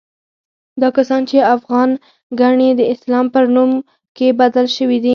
دا کسان چې افغان ګڼي، د اسلام پر نوم کې بدل شوي دي.